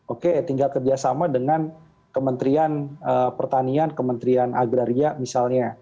oke tinggal kerjasama dengan kementerian pertanian kementerian agraria misalnya